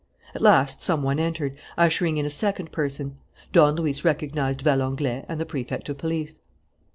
At last some one entered, ushering in a second person. Don Luis recognized Valenglay and the Prefect of Police.